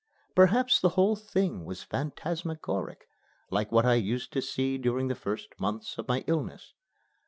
Perhaps the whole thing was phantasmagoric like what I used to see during the first months of my illness.